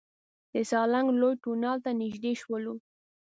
د سالنګ لوی تونل ته نزدې شولو.